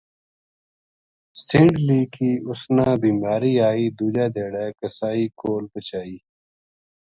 سینڈلی کی اس نا بیماری آئی دُوجے دھیاڑے قصائی کول پوہچائی